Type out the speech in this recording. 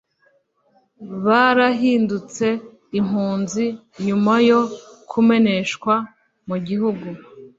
barahindutse impunzi nyuma yo kumeneshwa mu gihugu